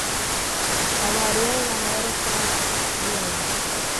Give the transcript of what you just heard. A Maria namora com a Joana